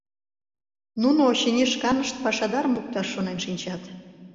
Нуно, очыни, шканышт пашадарым лукташ шонен шинчат.